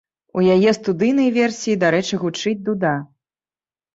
У яе студыйнай версіі, дарэчы, гучыць дуда.